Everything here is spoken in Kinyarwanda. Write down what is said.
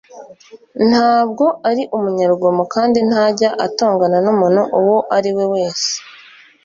ntabwo ari umunyarugomo kandi ntajya atongana n'umuntu uwo ari we wese.